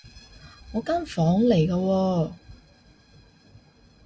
我間房嚟㗎喎